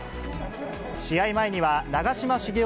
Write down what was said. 試合前には、長嶋茂雄